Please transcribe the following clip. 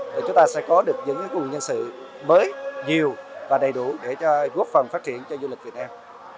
để chúng ta sẽ có được những nguồn nhân sự mới nhiều và đầy đủ để góp phần phát triển cho du lịch việt nam